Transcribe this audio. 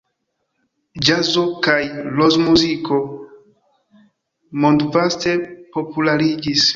Ĵazo kaj rokmuziko mondvaste populariĝis.